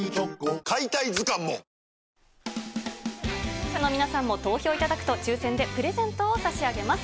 視聴者の皆さんも投票いただくと、抽せんでプレゼントを差し上げます。